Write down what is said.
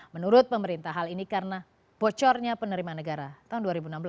menurut pemerintah hal ini karena bocornya penerimaan negara tahun dua ribu enam belas